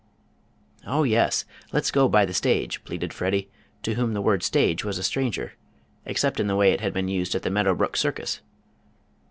"Oh yes, let's go by the stage," pleaded Freddie, to whom the word stage was a stranger, except in the way it had been used at the Meadow Brook circus.